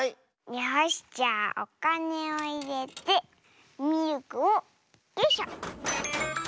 よしじゃあおかねをいれてミルクをよいしょ！